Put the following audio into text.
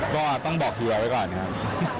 ก็ต้องบอกไแบบก่อนนะครับ